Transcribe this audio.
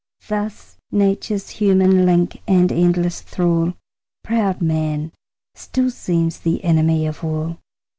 Thus nature's human link and endless thrall, Proud man, still seems the enemy of all.